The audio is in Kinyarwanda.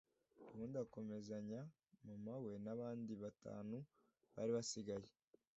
ubundi akomezanya (mama we) n’abandi batanu bari basigaye